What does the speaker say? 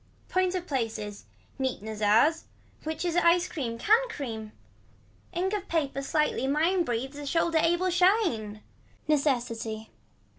Points of places. Neat Nezars. Which is a cream, can cream. Ink of paper slightly mine breathes a shoulder able shine. Necessity.